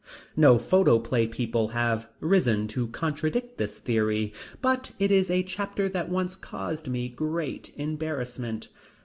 No photoplay people have risen to contradict this theory, but it is a chapter that once caused me great embarrassment.